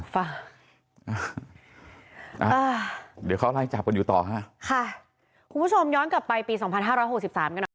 ฟังอ่าเดี๋ยวเขาไล่จับกันอยู่ต่อฮะค่ะคุณผู้ชมย้อนกลับไปปีสองพันห้าร้อยหกสิบสามกันหน่อย